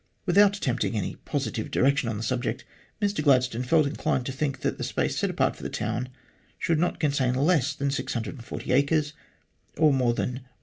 Without attempting any positive direction on the subject, Mr Gladstone felt inclined to think that the space set apart for the town should not contain less than 640 acres, or more than 1280.